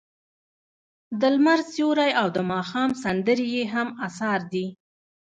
د لمر سیوری او د ماښام سندرې یې هم اثار دي.